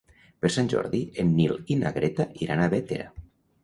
Per Sant Jordi en Nil i na Greta iran a Bétera.